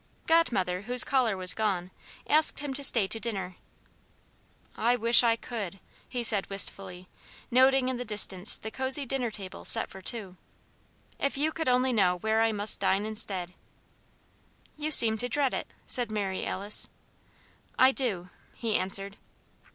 Godmother, whose caller was gone, asked him to stay to dinner. "I wish I could!" he said wistfully, noting in the distance the cozy dinner table set for two. "If you could only know where I must dine instead!" "You seem to dread it," said Mary Alice. "I do," he answered.